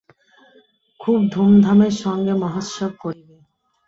খুব ধূমধামের সঙ্গে মহোৎসব করিবে।